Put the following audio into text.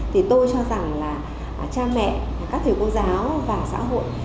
thì tôi cho rằng là cha mẹ các thầy cô giáo và xã hội